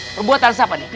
perbuatan siapa nih